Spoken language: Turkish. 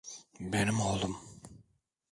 Benim oğlum.